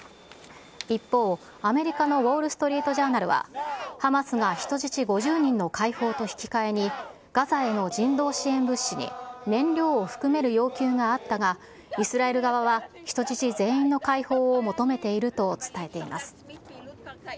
一方、アメリカのウォール・ストリート・ジャーナルは、ハマスが人質５０人の解放と引き換えに、ガザへの人道支援物資に燃料を含める要求があったが、イスラエル側は人質全員の解放を求めていると伝えています。